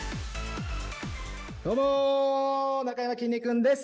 どうもなかやまきんに君です。